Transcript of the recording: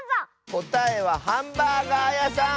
こたえはハンバーガーやさん！